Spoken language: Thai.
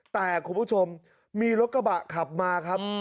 แต่คุณผู้ชมมีรถกระบะขับมาครับ